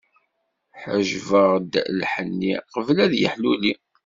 Ḥejbeɣ-d lḥenni, qbel ad yeḥluli.